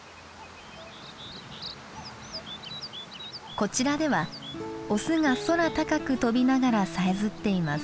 こちらではオスが空高く飛びながらさえずっています。